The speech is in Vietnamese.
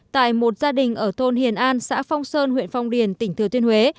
tại một gia đình ở thôn hiền an xã phong sơn huyện phong điền tỉnh thừa tuyên huế